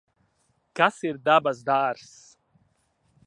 Kas ir dabas dārzs?